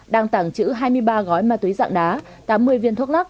đang tảng chữ hai mươi ba gói ma túy dạng đá tám mươi viên thuốc lắc